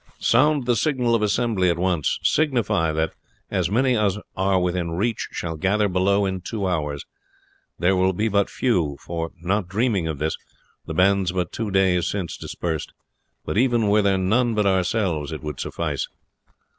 Sound the signal of assembly at once. Signify that as many as are within reach shall gather below in two hours. There will be but few, for, not dreaming of this, the bands but two days since dispersed. But even were there none but ourselves it would suffice.